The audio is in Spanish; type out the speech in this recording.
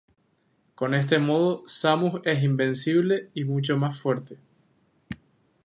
Con este modo Samus es invencible y mucho más fuerte.